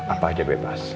apa aja bebas